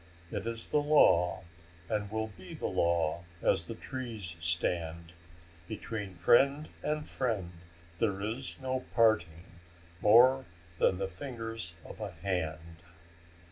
It is the law, And will be the law as the trees stand. Between friend and friend there is no parting More than the fingers of a hand."